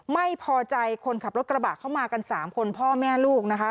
ไม่พอใจคนขับรถกระบะเข้ามากัน๓คนพ่อแม่ลูกนะคะ